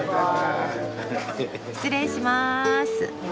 失礼します。